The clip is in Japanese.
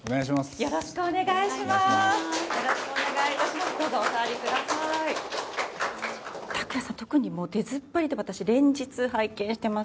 よろしくお願いします。